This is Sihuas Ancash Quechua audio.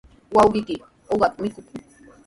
Wawqiimi uqata mikuykan.